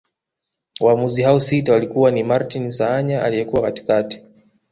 Waamuzi hao sita walikuwa ni Martin Saanya aliyekuwa katikati